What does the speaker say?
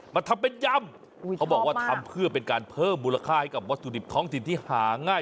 ทำเป็นยำเขาบอกว่าทำเพื่อเป็นการเพิ่มมูลค่าให้กับวัตถุดิบท้องถิ่นที่หาง่าย